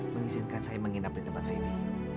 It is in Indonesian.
mengizinkan saya menginap di tempat feni